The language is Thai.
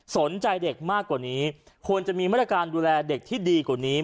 สนใจเด็กมากกว่านี้ควรจะมีมาตรการดูแลเด็กที่ดีกว่านี้